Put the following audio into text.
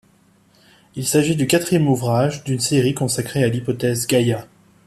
Il s'agit du quatrième ouvrage d'une série consacrée à l'hypothèse Gaïa.